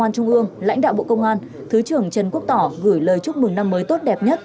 an trung ương lãnh đạo bộ công an thứ trưởng trần quốc tỏ gửi lời chúc mừng năm mới tốt đẹp nhất